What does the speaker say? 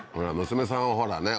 娘さんはほらね